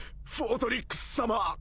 フォートリックスさま。